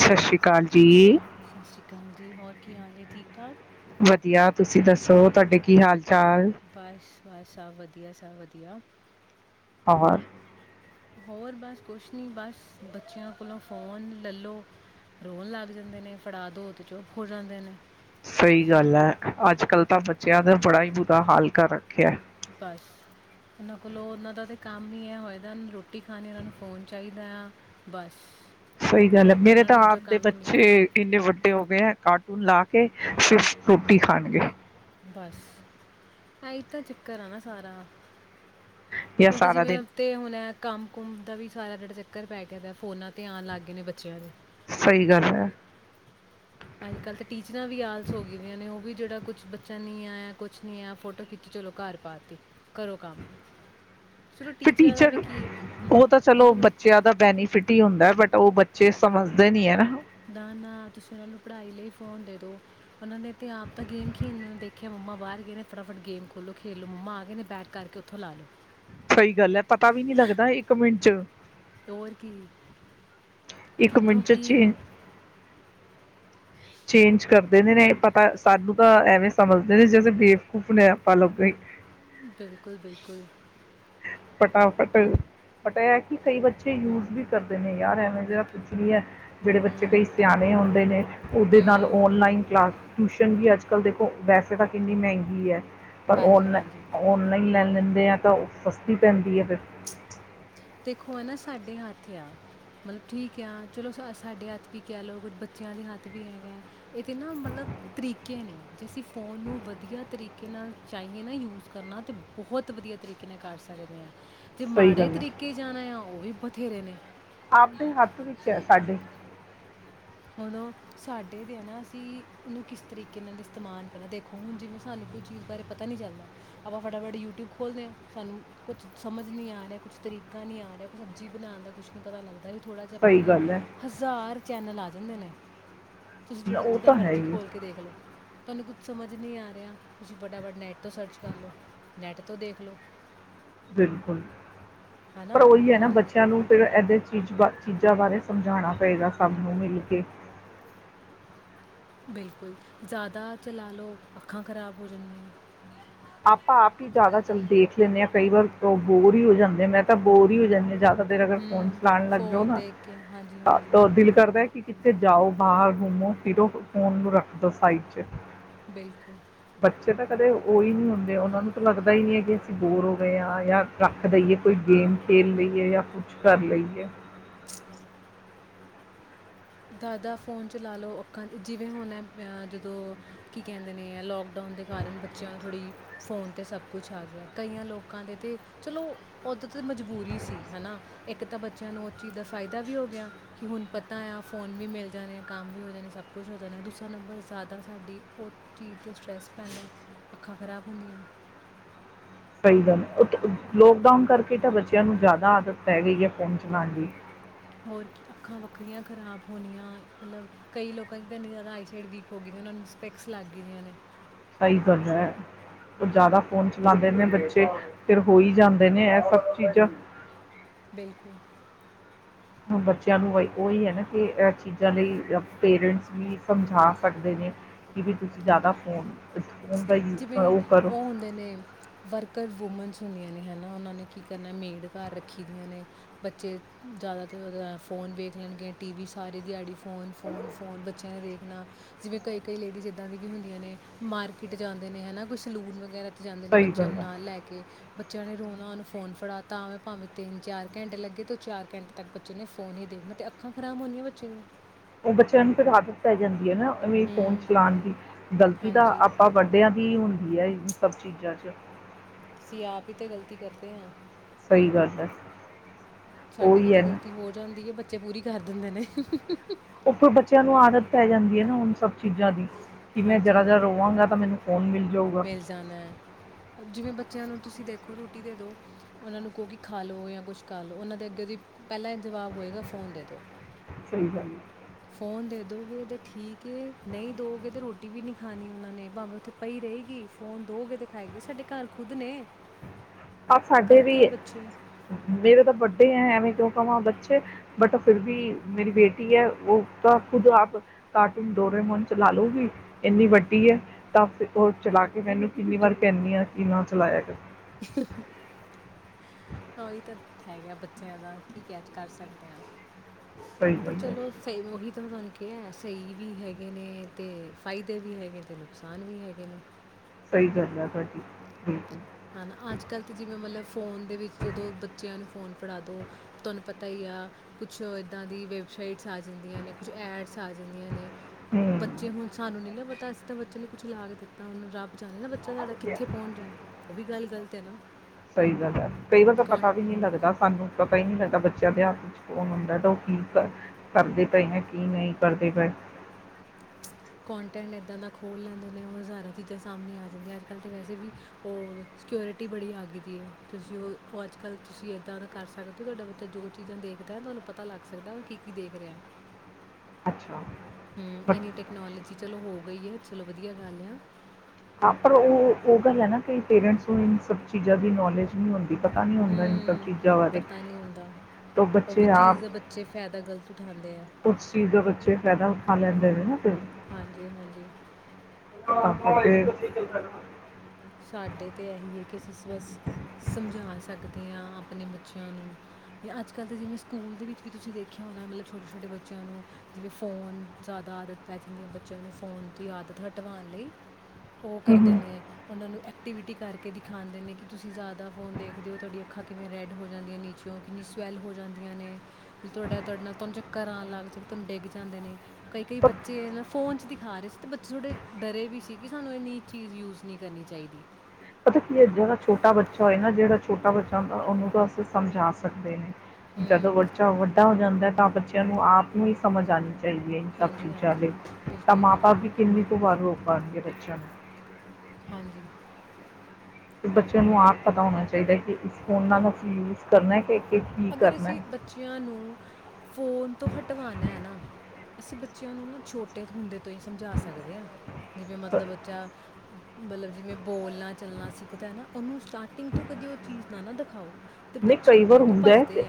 ਸਤਿ ਸ੍ਰੀ ਕਾਲ ਜੀ। ਸਤਿ ਸ਼੍ਰੀ ਅਕਾਲ ਜੀ ਹੋਰ ਕੀ ਹਾਲ ਏ? ਠੀਕ-ਠਾਕ। ਵਧੀਆ। ਤੁਸੀਂ ਦੱਸੋ? ਤੁਹਾਡੇ ਕੀ ਹਾਲ-ਚਾਲ? ਬਸ ਬਸ ਸਭ ਵਧੀਆ, ਸਭ ਵਧੀਆ ਹੋਰ ਹੋਰ ਬਸ ਕੁਛ ਨੀ। ਬਸ ਬੱਚਿਆਂ ਕੋਲੋਂ ਫੋਨ ਲਲਲੋ ਰੋਣ ਲੱਗ ਜਾਂਦੇ ਨੇ, ਫੜਾ ਦੋ ਤੇ ਚੁੱਪ ਹੋ ਜਾਂਦੇ ਨੇ। ਸਈ ਗੱਲ ਐ। ਅੱਜ ਕੱਲ੍ਹ ਤਾਂ ਬੱਚਿਆਂ ਦਾ ਬੜਾ ਹੀ ਬੁਰਾ ਹਾਲ ਕਰ ਰੱਖਿਐ। ਬਸ ਉਹਨਾਂ ਕੋਲੋਂ ਉਹਨਾਂ ਦਾ ਤਾਂ ਕੰਮ ਈ ਐ ਹੋਏਦਾ ਉਣ ਰੋਟੀ ਖਾਣੀ ਉਹਨਾਂ ਨੂੰ ਫ਼ੋਨ ਚਾਹੀਦੈ ਆ, ਬਸ ਸਈ ਗੱਲ ਐ ਹੋਰ ਕੋਈ ਮੇਰੇ ਉਹਨਾਂ ਤਾਂ ਨੂੰ ਦੂਜਾ ਆਪ ਦੇ ਕੰਮ ਹੀ ਬੱਚੇ ਨਹੀਂ ਇੰਨੇ ਵੱਡੇ ਹੋ ਗਏ ਹੈ ਕਾਰ ਟੂਨ ਲਾ ਕੇ ਸਿਰਫ ਰੋਟੀ ਖਾਣਗੇ। ਬਸ ਐਈ ਤਾਂ ਚੱਕਰ ਆ ਨਾ ਸਾਰਾ। ਜਾਂ ਹੁਣ ਤੇ ਸਾਰਾ ਜਿਵੇਂ ਦਿਨ ਤੇ ਹੁਣ ਐ ਕੰਮ ਕੁਮ ਦਾ ਵੀ ਸਾਰਾ ਜਿਹੜਾ ਚੱਕਰ ਪੈ ਗਿਆ ਦੈ, ਫੋਨਾਂ ਤੇ ਆਣ ਲੱਗ ਗਏ ਨੇ ਬੱਚਿਆਂ ਦੇ। ਸਈ ਗੱਲ ਐ। ਅੱਜ ਕੱਲ ਤੇ ਟੀਚਰਾਂ ਵੀ ਆਲਸ ਹੋ ਗੀ ਦੀਆਂ ਨੇ ਉਹ ਵੀ ਜਿਹੜਾ ਕੁਛ ਬੱਚਿਆਂ ਨੂੰ ਨੀ ਆਇਐ, ਕੁਛ ਨੀ ਐ, ਫੋਟੋ ਖਿੱਚ ਚਲੋ ਘਰ ਪਾ ਤੀ। ਕਰੋ ਕੰਮ। ਚਲੋ ਫਿਰ ਟੀਚਰਾਂ ਦਾ ਵੀ ਟੀਚਰ ਕੀ ਹਮ, ਉਹ ਤਾਂ ਚਲੋ ਬੋਲੋ ਬੋਲੋ। ਬੱਚਿਆਂ ਦਾ ਬੈਨੀਫਿਟ ਈ ਹੁੰਦੈ ਬਟ ਤਾਂ ਉਹ ਬੱਚੇ ਸਮਝਦੇ ਨੀ ਆ ਨਾ। ਨਾ, ਨਾ ਤੁਸੀਂ ਇਹਨਾਂ ਨੂੰ ਪੜ੍ਹਾਈ ਲਈ ਫੋਨ ਦੇ ਦਉ ਉਹਨਾਂ ਦੇ ਤੇ ਆਪ ਤਾਂ ਗੇਮ ਖੇਲਣ ਦੇਖ ਖਿਆ ਮੰਮਾ ਬਾਰ ਗਏ ਨੇ, ਫਟਾਫਟ ਗੇਮ ਖੋਲੋ, ਖੇਲ ਲੋ। ਮੰਮਾ ਆ ਗਏ ਨੇ ਬੈਕ ਕਰਕੇ ਉੱਥੋਂ ਲਾ ਲਓ। ਸਹੀ ਗੱਲ ਐ, ਪਤਾ ਵੀ ਨੀ ਲੱਗਦਾ ਇੱਕ ਮਿੰਟ ਚ ਦੋਰ ਕੀ, ਇੱਕ ਕਿੱਥੋਂ ਮਿੰਟ 'ਚ ਕੀ ਚੇਂਜ ਚੇਂਜ ਕਰਦੇ ਨੇ ਨੇ, ਪਤਾ ਸਾਨੂੰ ਤਾਂ ਐਵੇਂ ਸਮਝਦੇ ਨੇ ਜੈਸੇ ਬੇਵਕੂਫ ਨੇ ਆਪਾਂ ਲੋਕੀਂ। ਬਿਲਕੁਲ, ਬਿਲਕੁਲ। ਫਟਾਫਟ, ਬਟ ਐ ਕਿ ਕਈ ਬੱਚੇ ਯੂਜ ਵੀ ਕਰਦੇ ਨੇ ਯਾਰ ਐਵੇਂ ਜਿਆ ਕੁੱਛ ਨੀ ਐ ਜਿਹੜੇ ਬੱਚੇ ਕਈ ਹੂੰ ਸਿਆਣੇ ਹੁੰਦੇ ਨੇ ਉਹਦੇ ਨਾਲ ਹੂੰ ਓਨਲਾਈਨ ਕਲਾਸ, ਟਿਊਸ਼ ਚੰਗੀ ਅੱਜ ਕੱਲ ਦੇਖੋ ਵੈਸੇ ਤਾਂ ਕਿੰਨੀ ਮਹਿੰਗੀ ਐ। ਪਰ ਹਾਂਜੀ ਓਨਲਾਈ ਹਾਂਜੀ ਓਨਲਾਈਨ ਲੈਣਾ ਲੈਂਦੇ ਆ ਤਾਂ ਉਹ ਸਸਤੀ ਪੈਂਦੀ ਐ ਫੇਰ। ਦੇਖੋ ਐ ਨਾ ਸਾਡੇ ਹੱਥ ਆ, ਮਤਲਬ ਠੀਕ ਆ ਚਲੋ ਸਾ-ਸਾਡੇ ਹੱਥ ਵੀ ਕਹਿ ਲਓ, ਕੁਝ ਬੱਚਿਆਂ ਦੇ ਹੱਥ ਵੀ ਹੈਗੇ, ਇਹ ਤੇ ਨਾ ਮਤਲਬ ਤਰੀਕੇ ਨੇ, ਜੇ ਅਸੀਂ ਫ਼ੋਨ ਨੂੰ ਵਧੀਆ ਤਰੀਕੇ ਨਾਲ ਚਾਹੀਏ ਨਾ ਯੂਜ਼ ਕਰਨਾ ਤਾਂ ਬਹੁਤ ਵਧੀਆ ਤਰੀਕੇ ਨਾਲ ਕਰ ਸਕਦੇ ਆਂ। ਜੇ ਸਹੀ ਮਾੜੇ ਗੱਲ ਹੈ ਤਰੀ ਕੇ, ਉਹ ਵੀ ਬਥੇਰੇ ਨੇ। ਆਪਦੇ ਹੱਥ ਵਿੱਚ ਐ ਸਾਡੇ। ਹੁਣ ਸਾਡੇ ਤੇ ਆ ਨਾ ਅਸੀਂ ਉਹਨੂੰ ਕਿਸ ਤਰੀਕੇ ਨਾਲ ਇਸਤੇਮਾਲ ਕਰਾਂ, ਦੇਖੋ ਹੁਣ ਜਿਵੇਂ ਸਾਨੂੰ ਕੋਈ ਚੀਜ਼ ਬਾਰੇ ਪਤਾ ਨਹੀਂ ਚੱਲਦਾ, ਆਪਾਂ ਫਟਾਫਟ ਯੂਟਿਊਬ ਖੋਲਦੇ ਹਾਂ, ਸਾਨੂੰ ਕੁਛ ਸਮਝ ਨਹੀਂ ਆ ਰਿਹਾ, ਕੁਛ ਤਰੀਕਾ ਨਹੀਂ ਆ ਰਿਹਾ, ਕੁਛ ਸਬਜ਼ੀ ਬਣਾਉਣ ਦਾ ਕੁਛ ਨਹੀਂ ਪਤਾ ਲੱਗਦਾ ਇਥੋਂ ਥੋੜ੍ਹਾ ਜਿਹਾ ਸਹੀ ਪਾਨੇ ਆਂ, ਗੱਲ ਹੈ ਹਜ਼ਾਰ ਚੈਨਲ ਆ ਜਾਂਦੇ ਨੇ। ਤੁਸੀਂ ਜਿਹੜਾ ਉਹ ਜਿੱਦਾਂ ਤਾਂ ਹੈ ਮਰਜ਼ੀ ਹੀ ਖੋਲ ਕੇ ਦੇਖਲੋ। ਤੁਹਾਨੂੰ ਕੁਛ ਸਮਝ ਨਹੀਂ ਆ ਰਿਹਾ, ਤੁਸੀਂ ਫਟਾਫਟ ਨੈੱਟ ਤੋਂ ਸਰਚ ਕਰ ਲਉ, ਨੈੱਟ ਤੋਂ ਦੇਖ ਲਓ। ਬਿਲਕੁਲ। ਹੈ ਪਰ ਓਹੀ ਐ ਨਾ ਹੁਣ ਬੱਚਿਆਂ ਨੂੰ ਫਿਰ ਇਏਦ ਚੀਜ਼ ਬਾ ਚੀਜ਼ਾਂ ਬਾਰੇ ਸਮਝਾਉਣਾ ਪਏਗਾ ਸਭ ਨੂੰ ਮਿਲ ਕੇ। ਬਿਲਕੁਲ, ਜ਼ਿਆਦਾ ਚਲਾ ਲਓ, ਅੱਖਾਂ ਖਰਾਬ ਹੋ ਜਾਂਦੀਆਂ। ਆਪਾਂ ਆਪ ਹੀ ਜ਼ਿਆਦਾ ਚੱਲ ਦੇਖ ਲੈਂਦੇ ਆਂ ਕਈ ਵਾਰ ਤੋ ਬੋਰ ਈ ਹੋ ਜਾਂਦੇ ਆਂ। ਮੈਂ ਤਾਂ ਬੋਰ ਹੀ ਹੋ ਜਾਂਦੀ ਆਂ ਜ਼ਿਆਦਾ ਦੇਰ ਅਗਰ ਫੋਨ ਹੂੰ ਚਲਾਉਣ ਲੱਗ ਜਾਓ ਫੋਨ ਨਾ, ਦੇਖ ਕੇ ਹਾਂਜੀ ਹਾਂ ਹਾਂਜੀ ਤੋਂ ਦਿਲ ਕਰਦਾ ਕਿ ਕਿੱਥੇ ਜਾਓ ਬਾਹਰ, ਘੁੰਮੋ-ਫਿਰੋ, ਫੋਨ ਨੂੰ ਰੱਖ ਦਿਓ ਸਾਈਡ 'ਚ। ਬਿਲਕੁਲ। ਬੱਚੇ ਤਾਂ ਕਦੇ ਓਈ ਮ ਹੁੰਦੇ, ਉਹਨਾਂ ਨੂੰ ਤਾਂ ਲੱਗਦਾ ਹੀ ਨੀ ਐ ਕਿ ਅਸੀਂ ਬੋਰ ਹੋ ਗਏ ਆਂ ਜਾਂ ਰੱਖ ਦੇਈਏ, ਕੋਈ ਗੇਮ ਖੇਲ ਲਈਏ ਜਾਂ ਕੁਛ ਕਰ ਲਈਏ। ਦਾਦਾ ਫੋਨ ਚਲਾ ਲਓ, ਅੱਖਾਂ ਜਿਵੇਂ ਹੁਣ ਆਪਣੇ ਆ ਜਦੋਂ ਕੀ ਕਹਿੰਦੇ ਨੇ, ਲੋਕਡਾਊਨ ਦੇ ਕਾਰਨ ਬੱਚਿਆਂ ਨੂੰ ਥੋੜ੍ਹੀ ਫੋਨ 'ਤੇ ਸਭ ਕੁਛ ਆ ਗਿਆ। ਕਈਆਂ ਲੋਕਾਂ ਦੇ ਤੇ, ਚਲੋ ਉਦੋਂ ਤਾਂ ਮਜਬੂਰੀ ਸੀ, ਹੈਨਾ। ਇੱਕ ਤਾਂ ਬੱਚਿਆਂ ਨੂੰ ਉਹ ਚੀਜ਼ ਦਾ ਫਾਇਦਾ ਵੀ ਹੋ ਗਿਆ ਕਿ ਹੁਣ ਪਤਾ ਆ ਫ਼ੋਨ ਵੀ ਮਿਲ ਜਾਣੇ, ਕੰਮ ਵੀ ਹੋ ਜਾਣੇ, ਸਭ ਕੁਛ ਹੋ ਜਾਣਾ। ਦੂਸਰਾ ਨੰਬਰ ਜ਼ਿਆਦਾ ਸਾਡੀ ਉਹ ਚੀਜ਼ ਤੇ ਸਟਰੈੱਸ ਪੈਂਦਾ, ਅੱਖਾਂ ਖ਼ਰਾਬ ਹੁੰਦੀਆਂ। [unintelligible] ਲੋਕਡਾਊਨ ਕਰਕੇ ਤਾਂ ਬੱਚਿਆਂ ਨੂੰ ਜ਼ਿਆਦਾ ਆਦਤ ਪੈ ਗਈ ਐ ਫੋਨ ਚਲਾਨ ਦੀ। ਹੋਰ ਕੀ, ਅੱਖਾਂ ਵੱਖਰੀਆਂ ਖਰਾਬ ਹੋਣੀਆਂ, ਮਤਲਬ ਕਈ ਲੋਕਾਂ 'ਚ ਤਾਂ ਇੰਨੀ ਜ਼ਿਆਦਾ ਆਈਸਾਈਟ ਵੀਕ ਹੋ ਗਈ, ਉਹਨਾਂ ਨੂੰ ਸਪੈਕਸ ਲੱਗ ਗਈਆਂ ਨੇ। ਸਹੀ ਗੱਲ ਐ। ਉਹ ਜ਼ਿਆਦਾ ਫੋਨ ਚਲਾਉਦੇ ਨੇ ਬੱਚੇ, ਫਿਰ ਹੋ ਹੀ ਜਾਂਦੇ ਨੇ ਇਹ ਸਭ ਚੀਜ਼ਾਂ। ਬਿਲਕੁਲ। ਬੱਚਿਆਂ ਨੂੰ ਉਹੀ ਹੈ ਨਾ ਕਿ ਚੀਜ਼ਾਂ ਲਈ ਪੇਰੈਂਟਸ ਵੀ ਸਮਝਾ ਸਕਦੇ ਨੇ। ਕਿ ਫਿਰ ਤੁਸੀਂ ਹਾਂ ਜ਼ਿਆਦਾ ਫੋਨ, ਫੋਨ ਦਾ ਯੂ ਜਿਵੇਂ ਉਹ ਕਰੋ। ਹੁੰਦੇ ਨੇ ਵਰਕਰ ਵੂਮਨਸ ਹੁੰਦੀਆਂ ਨੇ ਹਨਾ, ਉਹਨਾਂ ਨੇ ਕੀ ਕਰਨਾ ਮੇਡ ਘਰ ਰੱਖੀ ਦੀਆਂ ਨੇ, ਬੱਚੇ ਜ਼ਿਆਦਾ ਤੋਂ ਜਿਆਦਾ ਫੋਨ ਵੇਖ ਲੈਣਗੇ, ਟੀ ਵੀ ਸਾਰੇ ਦਿਹਾੜੀ ਫ਼ੋਨ, ਫੋਨ, ਫੋਨ ਬੱਚਿਆਂ ਨੇ ਵੇਖ ਨਾ ਜਿਵੇਂ ਕਈ ਕਈ ਲੇਡੀਜ਼ ਏਦਾਂ ਦੀ ਵੀ ਹੁੰਦੀਆਂ ਨੇ, ਮਾਰਕੀਟ ਜਾਂਦੇ ਨੇ ਹਨਾ, ਕੋਈ ਸਲੂਨ ਵਗੈਰਾ ਜਾਂਦੇ ਨੇ ਸਹੀ ਬੱਚਿਆਂ ਗੱਲ ਨੂੰ ਹੈ ਨਾਲ ਲੈ ਕੇ। ਬੱਚਿਆਂ ਨੇ ਰੋਣਾ ਉਹਨੂੰ ਫੋਨ ਫੜਾ ਤਾ ਭਾਵੇਂ ਤਿੰਨ ਚਾਰ ਘੰਟੇ ਲੱਗੇ ਤਾਂ ਉਹ ਚਾਰ ਘੰਟੇ ਤੱਕ ਬੱਚੇ ਨੇ ਫੋਨ ਹੀ ਦੇਖਣਾ ਤੇ ਅੱਖਾਂ ਖਰਾਬ ਹੋਣੀਆਂ ਬੱਚੇ ਦੀ। ਉਹ ਬੱਚਿਆਂ ਨੂੰ ਫੇਰ ਆਦਤ ਪੈ ਜਾਂਦੀ ਹੈ ਨਾ। ਵੀ ਫੋਨ ਹੂੰ ਚਲਾਣ ਦੀ, ਗ਼ਲਤੀ ਤਾਂ ਹਾਂਜੀ ਆਪਾਂ ਵੱਡਿਆਂ ਦੀ ਹੁੰਦੀ ਐ। ਸਭ ਚੀਜ਼ਾਂ 'ਚ ਅਸੀਂ ਆਪ ਹੀ ਤੇ ਗ਼ਲਤੀ ਕਰਦੇ ਆਂ। ਸਹੀ ਗੱਲ ਐ। ਸਾਡੇ ਕੋਲ ਤੇ ਗਲਤੀ ਹੋ ਜਾਂਦੀ ਹੈ ਬੱਚ ਬੱਚੇ ਪੂਰੀ ਕਰ ਦਿੰਦੇ ਨੇ। ਉੱਪਰੋਂ ਬੱਚਿਆਂ ਨੂੰ ਆਦਤ ਪੈ ਜਾਂਦੀ ਹੈ ਨਾ ਉਨ ਸਭ ਚੀਜ਼ਾਂ ਦੀ। ਕਿ ਮੈਂ ਹਾਂਜੀ ਜਰਾ ਜਾ ਰੋਵਾਂਗਾ ਤਾਂ ਮੈਨੂੰ ਫੋਨ ਮਿਲ ਜਾਊਗਾ ਮਿਲ ਜਾਨਾ ਹੈ ਜਿਵੇਂ ਬੱਚਿਆਂ ਨੂੰ ਤੁਸੀਂ ਦੇਖ ਖੋ ਰੋਟੀ ਦੇ ਦਿਉ ਉਹਨਾਂ ਨੂੰ ਕਹੋ ਕਿ ਖਾ ਲਉ ਜਾਂ ਕੁਛ ਕਰ ਲਉ ਉਹਨਾਂ ਦੇ ਅੱਗੇ ਦੀ ਪਹਿਲਾਂ ਹੀ ਜਵਾਬ ਹੋਏਗਾ ਫੋਨ ਦੇ ਦੋ। ਸਹੀ ਗੱਲ ਐ। ਫੋਨ ਦੇ ਦੋਗੇ ਤੇ ਠੀਕ ਏ, ਨਹੀਂ ਦੋਗੇ ਤੇ ਰੋਟੀ ਵੀ ਨੀ ਖਾਨੀ ਉਹਨਾਂ ਨੇ, ਭਾਵੇਂ ਉੱਥੇ ਪਈ ਰਹੇਗੀ ਫੋਨ ਦੋਗੇ ਤੇ ਖਾਏ ਗੇ ਸਾਡੇ ਘਰ ਖੁਦ ਨੇ। ਪਰ ਸਾਡੇ ਵੀ ਕਰਦੇ ਆ ਬੱਚੇ ਮੇਰੇ ਤਾਂ ਵੱਡੇ ਹੈ ਐਵੇਂ ਕਿਉਂ ਕਵਾਂ ਬੱਚੇ ਬਟ ਫਿਰ ਵੀ ਮੇਰੀ ਬੇਟੀ ਹੈ ਉਹ ਤਾਂ ਖੁਦ ਆਪ ਕਾਰਟੂਨ ਡੋਰੇਮੋਨ ਚਲਾ ਲੂਗੀ, ਇੰਨੀ ਵੱਡੀ ਹੈ ਤਾਂ ਉਹ ਚਲਾ ਕੇ ਮੈਨੂੰ ਕਿੰਨੀ ਵਾਰ ਕਹਿੰਨੀ ਕਿ ਨਾ ਚਲਾਇਆ ਕਰ। [unintelligible] ਉਹੀ ਤਾਂ ਹੈਗਾ ਬੱਚਿਆਂ ਦਾ ਕੀ ਕਹਿ ਕਰ ਸਕਦੇ ਹਾਂ। ਸਹੀ ਪਰ ਗੱਲ ਹੈ ਚਲੋ ਸਹੀ ਓਹੀ ਤਾਂ ਮੈਂ ਤੁਹਾਨੂੰ ਕਿ ਇਹ ਸਹੀ ਵੀ ਹੈਗੇ ਨੇ ਤੇ ਫਾਇਦੇ ਵੀ ਹੈਗੇ ਨੇ ਤੇ ਨੁਕਸਾਨ ਵੀ ਹੈਗੇ ਨੇ। ਸਹੀ ਗੱਲ ਐ ਤੁਹਾਡੀ। ਬਿਲਕੁਲ ਹਨਾ ਅੱਜ ਕੱਲ੍ਹ ਤੇ ਜਿਵੇਂ ਮਤਲਬ ਫੋਨ ਦੇ ਵਿੱਚ ਜਦੋਂ ਬੱਚਿਆਂ ਨੂੰ ਫੋਨ ਪੜ੍ਹਾ ਦੋ ਤੁਹਾਨੂੰ ਪਤਾ ਹੀ ਆ ਕੁਛ ਇੱਦਾਂ ਦੀ ਵੈੱਬਸਾਈਟਸ ਆ ਜਾਂਦੀਆਂ ਨੇ, ਕੁਛ ਐਡਸ ਆ ਜਾਂਦੀਆਂ ਨੇ। ਬੱਚੇ ਹੂੰ ਹੁਣ ਸਾਨੂੰ ਨੀ ਨਾ ਪਤਾ ਅਸੀਂ ਤਾਂ ਬੱਚੇ ਨੂੰ ਕੁਛ ਲਿਆ ਕੇ ਦਿੱਤਾ, ਹੁਣ ਰੱਬ ਜਾਨੇ ਨਾ ਬੱਚੇ ਬੱਚਾ ਸਾਡਾ ਕਿੱਥੇ ਪਹੁੰਚ ਜਾਏ। ਉਹ ਵੀ ਗੱਲ ਗਲਤ ਹੈ ਨਾ। ਸਹੀ ਗੱਲ ਐ ਤੇ ਕਈ ਵਾਰ ਤਾਂ ਪਤਾ ਕੌਣ ਵੀ ਨੀ ਲੱਗਦਾ ਸਾਨੂੰ ਪਤਾ ਹੀ ਨਹੀਂ ਲੱਗ ਬੱਚਿਆਂ ਦੇ ਹੱਥ ਵਿੱਚ ਫੋਨ ਹੁੰਦਾ ਤਾਂ ਉਹ ਕੀ ਕਰ ਕਰਦੇ ਪਏ ਐ ਕੀ ਨਹੀਂ ਕਰਦੇ ਪਏ। ਕੌਨਟੈਂਟ ਇੱਦਾਂ ਦਾ ਖੋਹ ਲੈਂਦੇ ਨੇਂ [unintelligible] ਤੇ ਸਾਹਮਨੇਂ ਆ ਜਾਂਦਾ ਹੈ ਅੱਜਕਲ ਤੇ ਵੈਸੇ ਵੀ ਔਰ ਸਿਕਿਓਰਿਟੀ ਬੜੀ ਅੱਗੇ ਦੀ ਹੈ ਤੁਸੀ ਓ ਓਹ ਅੱਜਕਲ ਤੁਸੀ ਇੱਦਾਂ ਦਾ ਕਰ ਸਕਦੇ ਹੋ ਤੁਹਾਡਾ ਬੱਚਾ ਜੋ ਚੀਜਾਂ ਦੇਖਦਾ ਹੈ ਤੁਹਾਨੂੰ ਪਤਾ ਲੱਗ ਸਕਦਾ ਉਹ ਕੀ ਕੀ ਦੇਖ ਰਿਹਾ ਹੈ। ਛਾ ਹਮ ਇਹਨੀ ਟੈਕਨੋਲੋਜੀ ਚਲੋ ਹੋ ਗਈ ਹੈ ਚਲੋ ਵਧੀਆ ਗੱਲ ਐ। ਹਾਂ ਪਰ ਉਹ ਓ ਉਹ ਗੱਲ ਹੈ ਨਾ ਕਈ ਪੇਰੈਂਟਸ ਨੂੰ ਇਨ ਸਭ ਚੀਜਾਂ ਦੀ ਨੌਲੇਜ ਨੀ ਹੁੰ ਦੀ ਪਤਾ ਨੀ ਹੁੰਦਾ ਇਨ ਸਭ ਹੂੰ ਚੀਜਾਂ ਬਾਰੇ ਪਤਾ ਨਹੀਂ ਹੁੰਦਾ ਤੋ ਉਹ ਵੀ ਬੱਚੇ ਆਪ ਚੀਜ਼ ਦਾ ਬੱਚੇ ਫਾਇਦਾ ਗਲਤ ਉਠਾਉਂਦੇ ਆ ਉਸ ਚੀਜ਼ ਦੇ ਬੱਚੇ ਫਾਇਦਾ ਉਠ ਅਲੱਗ ਗਏ ਦੇ ਨੇਂ ਫੇਰ ਹਾਂਜੀ ਹਾਂਜੀ [inaudible] ਸਾਡੇ ਤੇ ਇਹੀ ਹੈ ਕਿ ਅਸੀ ਸ ਬਸ ਸਮਝਾ ਸਕਦੇ ਹਾਂ ਆਪਣੇ ਬੱਚਿਆਂ ਨੂੰ ਯਾ ਅੱਜ ਕੱਲ੍ਹ ਤੇ ਜਿਵੇਂ ਸਕੂਲ ਦੇ ਵਿੱਚ ਵੀ ਤੁਸੀਂ ਦੇਖਿਆ ਹੋਣਾ ਮਤਲਬ ਛੋਟੇ ਛੋਟੇ ਬੱਚਿਆਂ ਨੂੰ ਜਿਵੇਂ ਫ਼ੋਨ ਜ਼ਿਆਦਾ ਆਦਤ ਪੈ ਜਾਂਦੀ ਹੈ ਬੱਚਿਆਂ ਨੂੰ ਫ਼ੋਨ ਦੀ ਆਦਤ ਹਟਵਾਉਨ ਲਈ ਉਹ ਕਰਦੇ ਹੂੰ ਨੇਂ ਉਹਨਾਂ ਨੂੰ ਐਕਟੀਵਿਟੀ ਕਰਕੇ ਦਿਖਾਉਂਦੇ ਨੇ ਕਿ ਤੁਸੀਂ ਜ਼ਿਆਦਾ ਫੋਨ ਦੇਖਦੇ ਹੋ ਤੁਹਾਡੀ ਅੱਖਾਂ ਕਿਵੇਂ ਰੈੱਡ ਹੋ ਜਾਂਦੀਆਂ ਨੀਚਿਓ ਕਿੰਨੀ ਸਵੈੱਲ ਹੋ ਜਾਂਦੀਆਂ ਨੇਂ ਤੁਹਾਡਾ ਤੁਹਾਡੇ ਨਾਲ ਤੁਹਾਨੂੰ ਚੱਕਰ ਆਉਣ ਲੱਗ [inaudible] ਡਿੱਗ ਜਾਂਦੇ ਨੇਂ ਕਈ ਕਈ ਪਰ ਬੱਚੇ ਨਾ ਫੋਨ 'ਚ ਦਿਖਾ ਰਹੇ ਸੀ ਤੇ ਬੱਚੇ ਥੋੜ੍ਹੇ ਡਰੇ ਵੀ ਸੀ ਕਿ ਸਾਨੂੰ ਇਹੰਨੀ ਚੀਜ਼ ਯੂਜ਼ ਨੀ ਕਰਨੀ ਚਾਹੀਦੀ ਪਤਾ ਕੀ ਐ ਜਿਹੜਾ ਛੋਟਾ ਬੱਚਾ ਹੋਏ ਨਾ ਜਿਹੜਾ ਛੋਟਾ ਬੱਚਾ ਹੁੰਦਾ ਹੈ ਉਹਨੂੰ ਤਾਂ ਅਸੀਂ ਸਮਝਾ ਸਕਦੇ ਨੇ। ਜਦੋਂ ਹੂੰ ਬੱਚਾ ਵੱਡਾ ਹੋ ਜਾਂਦਾ ਹੈ ਤਾਂ [inaudible] ਚੇਆਂ ਨੂੰ ਆਪ ਨੂੰ ਹੀ ਸਮਝ ਆਉਨੀ ਚ ਚਾਹਿਦੀ ਹੈ ਇਨ ਸਭ ਹਾਂਜੀ ਚੀਜਾਂ ਹਾਂਜੀ ਦੀ ਤਾ ਬਿਲਕੁਲ ਮਾਂ ਬਾਪ ਬਿਲਕੁਲ ਵੀ ਕਿੰਨੀ ਕੁ ਵਾਰ ਰੋਕ ਪਾਉਨਗੇ ਬ ਚਲੋ ਹਾਂਜੀ ਤੇ ਬੱਚਿਆਂ ਨੂੰ ਆਪ ਪਤਾ ਹੋਉਣਾ ਚਾਹੀਦਾ ਐ ਕਿ ਇਸ ਫੋਨ ਨਾਲ ਅਸੀਂ ਯੂਜ ਕਰਨਾ ਹੈ ਕਿ ਕਿ ਕੀ ਅਗਰ ਕਰਨਾ। ਅਸੀਂ ਹੈ। ਬੱਚਿਆਂ ਨੂੰ ਫੋਨ ਤੋਂ ਹਟਵਾਉਣਾ ਹੈ ਨਾ ਅਸੀਂ ਬੱਚਿਆਂ ਨੂੰ ਨਾ ਛੋਟੇ ਹੁੰਦੇ ਤੋਂ ਹੀ ਸਮਝਾ ਸਕਦੇ ਹਾਂ। ਜਿਵੇਂ ਪਰ ਮਤਲਬ ਬੱਚਾ ਮਤਲਬ ਜਿਵੇਂ ਬੋਲਨਾ ਚੱਲਨਾ ਸਿੱਖਦਾ ਹੈ ਨਾ ਉਹਨੂੰ ਸਟਾਰਟਿੰਗ ਤੋਂ ਕਦੇ ਉਹ ਚੀਜ ਨਾ ਨਾ ਦਿਖਾਓ। ਤੇ ਨਹੀਂ ਬੱਚੇ ਉਹ ਕਈ ਵਾਰ ਚੀਜ ਹੁੰਦਾ ਐ ਹੁਹ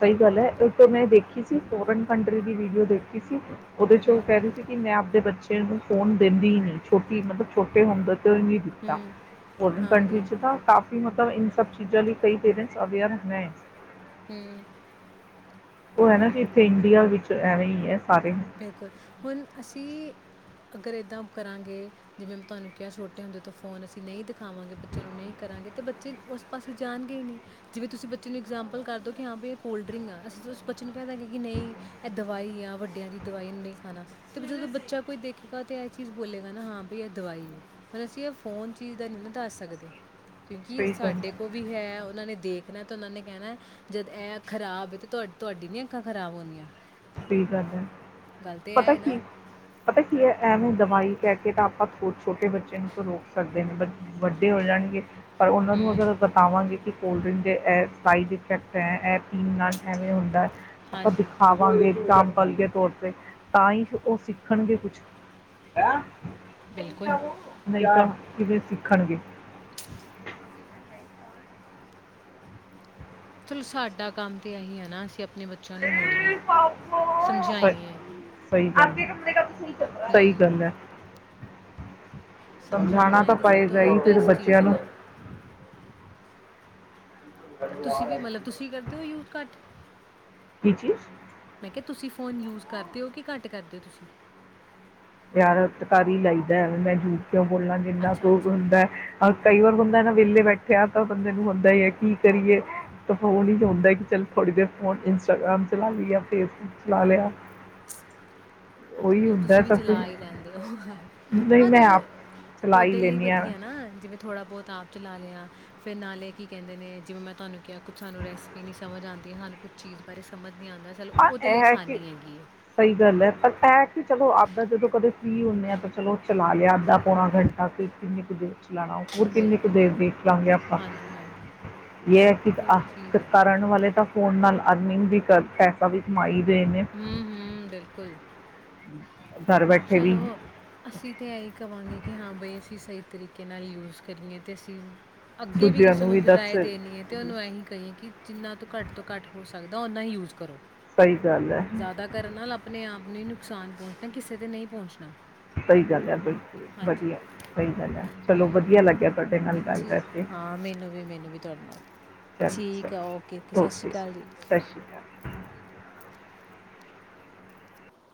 ਸਹੀ ਗੱਲ ਹੈ ਇਕ ਤੇ ਮੈਂ ਦੇ ਖੀ ਸੀ ਫੋਰਨ ਕੰਟਰੀ ਦੀ ਵੀਡੀਓ ਦੇਖੀ ਸੀ ਉਹਦੇ ਚ ਉਹ ਹੂੰ ਕਹਿ ਰਹੀ ਸੀ ਕਿ ਮੈਂ ਆਪਦੇ ਬੱਚੇ ਨੂੰ ਫੋਨ ਦਿੰਦੀ ਹੀ ਨੀਂ ਛੋਟੀ ਮਤਲਬ ਛੋਟੇ ਹੁੰਦੇ ਤੋਂ ਹੀ ਨੀਂ ਦਿੱਤਾ ਹੂੰ, ਫੋਰੇਨ ਕੰਟਰਰੀ ਹਾਂਜੀ, ਚ ਤਾਂ ਕਾਫੀ ਮਤ ਤਾ ਇਨ ਸਭ ਚੀਜਾਂ ਲਈ ਕਈ ਪੇਰੇਂਟ [unintelligible] ਮੈਂ ਹਮ ਉਹ ਹੈ ਨਾ ਜੀ ਇੱਥੇ ਇੰਡੀਆ ਵਿੱਚ ਐਵੇਂ ਈਂ ਹੈ। ਸਾਰੇ ਬਿਲਕੁਲ ਹੁਣ ਅਸੀਂ ਅਗਰ ਇੱਦਾਂ ਅਬ ਕਰਾਂਗੇ ਜਿਵੇਂ ਮੈਂ ਤੁਹਾਨੂੰ ਕਿਹਾ ਛੋਟੇ ਹੁੰਦੇ ਤੋ ਫ਼ੋਨ ਅਸੀਂ ਨਹੀਂ ਦਿਖਾਵਾਂਗੇ ਬੱਚਿਆਂ ਨੂੰ ਨਹੀਂ ਕਰਾਂਗੇ ਤੇ ਬੱਚੇ ਉਸ ਪਾਸੇ ਜਾਣਗੇ ਹੀ ਨਹੀਂ ਜਿਵੇਂ ਤੁਸੀਂ ਬੱਚੇ ਨੂੰ ਇਗਜ਼ੈਮਪਲ ਕਰ ਦਿਉ ਕਿ ਹਾਂ ਵੀ ਇਹ ਕੋਲਡ ਡਰਿੰਕ ਆ ਅਸੀਂ ਤੇ ਉਸ ਬੱਚੇ ਨੂੰ ਕਹਿ ਦਿਆਂਗੇ ਕਿ ਨਹੀਂ ਇਹ ਦਵਾਈ ਆ ਵੱਡਿਆਂ ਦੀ। ਦਵਾਈ ਨੂੰ ਨਹੀਂ ਖਾਨਾ ਤੇ ਜਦੋਂ ਬੱਚਾ ਕੋਈ ਦੇਖੇਗਾ ਤੇ ਇਹ ਚੀਜ਼ ਬੋਲੇਗਾ ਨਾ ਹਾਂ ਬਈ ਇਹ ਦਵਾਈ ਹੈ ਪਰ ਅਸੀਂ ਇਹ ਫ਼ੋਨ ਚੀਜ ਦਾ ਨੀ ਨਾ ਦੱਸ ਸਕਦੇ। ਕਿਉਂਕਿ ਇਹ ਸਹੀ ਗੱਲ ਸਾਡੇ ਕੋਲ ਵੀ ਹੈ ਔ ਉਹਨਾਂ ਨੇ ਦੇਖਣਾ ਤੇ ਉਹਨਾਂ ਨੇ ਕਹਿਣਾ ਜਦ ਇਹ ਖ਼ਰਾਬ ਹੈ ਤੇ ਤੁਹਾ ਤੁਹਾਡੀ ਨੀ ਅੱਖਾਂ ਖ਼ਰਾਬ ਹੋਣੀਆਂ ਕੀ ਕਰਦਾ ਗੱਲ ਤਾਂ ਇਹ ਪਤਾ ਹੈ ਕੀ ਨਾ ਪਤਾ ਕੀ ਹੈ ਐਵੇ ਦਵਾਈ ਕਹਿ ਕੇ ਤਾਂ ਆਪਾਂ ਛੋਟੇ ਬੱਚੇ ਨੂੰ ਤਾਂ ਰੋਕ ਸਕਦੇ ਨੇ ਵੱਡੇ ਹੋ ਜਾਣਗੇ ਪਰ ਉਹਨਾਂ ਨੂੰ ਹੂੰ, ਅਗਰ ਬਤਾਵਾਂਗੇ ਕਿ ਕੋਲਡਰਿੰਕ ਦੇ ਇਹ ਸਾਈਡ ਇਫੈਕਟ ਹੈ ਇਹ ਪੀਣ ਨਾਲ ਐਵੇਂ ਹੁੰਦਾ ਹਾਂਜੀ ਕੰਮ ਕਰਏ ਤੋ ਤੇ ਤਾਂ ਹੀ ਉਹ ਸਿੱਖਣਗੇ ਕੁਛ ਬਿਲਕੁਲ ਕਿਤੇ ਸਿੱਖਣਗੇ ਚਲੋ ਸਾਡਾ ਕੰਮ ਤੇ ਇਹੀ ਹੈ ਨਾ ਅਸੀਂ ਆਪਣੇ ਬੱਚਿਆਂ ਨੂੰ ਮੋੜੀਏ ਸਮਝਾਈ ਹੈ ਆਗੇ ਆਪਮਣੇ ਕ ਤੁਸੀਂ ਸਹੀ ਗੱਲ ਹੈ ਸਮਝਾਉਣਾ ਸਮਝਾਣਾ ਤਾਂ ਹੀ ਸਭ ਤੋਂ ਪਏਗਾ ਹੀ ਫਿਰ ਬੈਸਟ ਚੀਜ਼ ਬੱਚਿਆਂ ਹੈ ਨੂੰ ਨਾ। ਤੁਸੀਂ ਵੀ ਮਤਲਬ ਤੁਸੀਂ ਕਰਦੇ ਹੋ ਯੂਜ਼ ਘੱਟ ਕੀ ਚੀਜ਼ ਮੈਂ ਕਿਹਾ ਤੁਸੀਂ ਫ਼ੋਨ ਯੂਜ ਕਰਦੇ ਹੋ ਕਿ ਘੱਟ ਕਰਦੇ ਹੋ ਤੁਸੀਂ ਪਿਆਰ ਤਕਾਰੀ ਲਾਈਦਾ ਮੈਂ ਜੂ ਕਿਉਂ ਬੋਲਣਾ ਜਿੰਨਾ ਕੁ ਅੱਛਾ-ਅੱਛਾ। ਹੁੰਦਾ ਅੱਛਾ ਹੈ ਕਈ ਵਾਰ ਬੰਦਾ ਨਾ ਵਿਹਲੇ ਬੈਠਿਆ ਤਾਂ ਬੰਦੇ ਨੂੰ ਹੁੰਦਾ ਹੀ ਹੈ ਕੀ ਕਰੀਏ ਤਾਂੋ ਨੀ ਹੁੰਦਾ ਕਿ ਚੱਲ ਥੋੜ੍ਹੀ ਦੇਰ ਫੋਨ ਇੰਸਟਾਗ੍ਰਾਮ ਚਲਾ ਲਈ ਫੇਸਬੁੱਕ ਚਲਾ ਲਿਆ ਉਹੀ ਹੁੰਦਾ ਸ ਲ ਹੀ ਲੈਂਦੇ ਉਹ ਹਾਂ ਚਲੋ ਆਪ ਚਲਾ ਹੀ ਓਦੇ ਲਈ ਲੈਂਦੀ ਹਾਂ ਵਧੀਆ ਨਾ ਜਿਵੇਂ ਥੋੜ੍ਹਾ ਬਹੁਤ ਆਪ 'ਚ ਲਾ ਲਿਆ ਫਿਰ ਨਾਲੇ ਕੀ ਕਹਿੰਦੇ ਨੇ ਜਿਵੇਂ ਮੈਂ ਤੁਹਾਨੂੰ ਕਿਹਾ ਕੁਛ ਸਾਨੂੰ ਰੈਸਪੀ ਨਹੀਂ ਸਮਝ ਆਉਂਦੀ ਸਾਨੂੰ ਕੁਛ ਚੀਜ਼ ਬਾਰੇ ਸਮਝ ਨਹੀਂ ਆਉਂਦਾ ਚਲੋ ਹਾਂ ਉਹਦੇ ਲਈ ਇਹ ਕਿ ਆਸਾਨੀ ਹੈਗੀ ਹੈ। ਸਹੀ ਗੱਲ ਹੈ ਪਰ ਇਹ ਤੇ ਚਲੋ ਆਪਾਂ ਜਦੋਂ ਕਦੇ ਫੀ ਹੁੰਦੇ ਆ ਤਾਂ ਚਲੋ ਚਲਾ ਲਿਆ ਅੱਧਾ ਪੌਣਾ ਘੰਟਾ ਫ ਕਿੰਨੇ ਕੁਦੇ ਚਲਾਣਾ ਹੋਰ ਕਿੰਨੀ ਕੁ ਬਿਲਕੁਲ ਦੇਰ ਦੇਖ ਲਾਂਗੇ ਬਿਲਕੁਲ ਆਪਾਂ ਹਾਂਜੀ ਹਾਂਜੀ ਇਹ ਹੈ ਕਿ ਉਹੀ ਚੀਜ਼ ਹੈ ਨਾ ਕਰਨ ਵਾਲੇ ਤਾਂ ਫੋਨ ਨਾਲ ਆਦਮੀ ਦਿੱਕਤ ਹੈ ਵੀ ਕਮਾਈ ਰਹੇ ਨੇ ਹਮ ਹਮ ਬਿਲਕੁਲ ਘਰ ਬੈਠੇ ਵੀ ਚਲੋ ਅਸੀਂ ਤੇ ਇਹੀ ਕਵਾਂਗੇ ਕਿ ਹਾਂ ਬਈ ਅਸੀਂ ਅਸੀਂ ਸਹੀ ਤਰੀਕੇ ਨਾਲ ਯੂਜ਼ ਕਰੀਏ ਅਤੇ ਅਸੀਂ ਅੱਗੇ ਵੀ ਕਿਸੇ ਨੂੰ ਰਾਏ ਦੇਣੀੀ ਹੈ ਤੇ ਉਹਨੂੰ ਇਹੀ ਕਹੀਏ ਕਿ ਜਿੰਨਾ ਤੋਂ ਘੱਟ ਤੋਂ ਘੱਟ ਹੋ ਸਕਦਾ ਉਨਾਂ ਹੀ ਯੂਜ਼ ਕਰੋ ਸਹੀ ਗੱਲ ਹੈ। ਜ਼ਿਆਦਾ ਕਰਨ ਨਾਲ ਆਪਣੇ ਆਪ ਨੂੰ ਹੀ ਨੁਕਸਾਨ ਪਹੁੰਚਣਾ। ਕਿਸੇ ਤੇ ਨਹੀਂ ਪਹੁੰਚਣਾ। ਸਹੀ ਗੱਲ ਹੈ। ਬਿਲਕੁਲ ਹਾਂਜੀ ਵਧੀਆ ਸਹੀ ਗੱਲ ਹੈ। ਚਲੋ ਹੂੰ ਵਧੀਆ ਲੱਗਿਆ ਤੁਹਾਡੇ ਨਾਲ ਗੱਲ ਕਰਕੇ। ਠੀਕ ਹਾਂ ਮੈਨੂੰ ਵੀ ਮੈਨੂੰ ਵੀ ਤੁਹਾਡੇ ਨਾਲ ਠੀਕ ਆ ਓਕੇ ਚਲੋ ਸਤਿ ਸ਼੍ਰੀ ਓਕੇ ਅਕਾਲ ਜੀ ਸਤਿ ਸ਼੍ਰੀ ਅਕਾਲ।